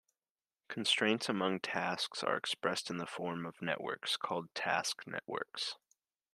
Constraints among tasks are expressed in the form of networks, called task networks.